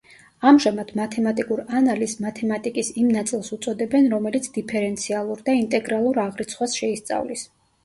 ამჟამად მათემატიკურ ანალიზს მათემატიკის იმ ნაწილს უწოდებენ, რომელიც დიფერენციალურ და ინტეგრალურ აღრიცხვას შეიწავლის.